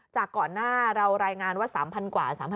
ก่อนหน้าเรารายงานว่า๓๐๐กว่า